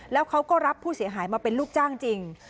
แล้วเขาก็รับผู้เสียหายมาเป็นลูกจ้างจริง